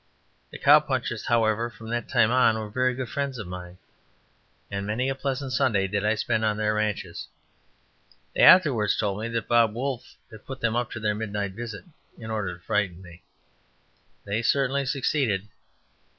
The cow punchers, however, from that time on were very good friends of mine, and many a pleasant Sunday did I spend on their ranches. They afterwards told me that Bob Wolfe had put them up to their midnight visit in order to frighten me. They certainly succeeded.